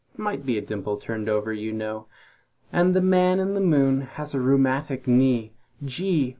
It might be a dimple turned over, you know: "And the Man in the Moon has a rheumatic knee, Gee!